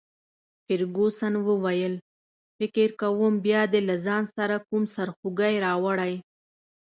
فرګوسن وویل: فکر کوم بیا دي له ځان سره کوم سرخوږی راوړی.